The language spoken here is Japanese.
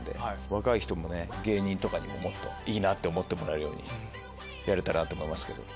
若い人も芸人とかにもいいな！って思ってもらうようにやれたらって思いますけど。